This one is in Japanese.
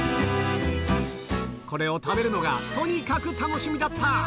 これを食べるのが、とにかく楽しみだった。